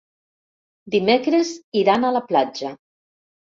Dimecres iran a la platja.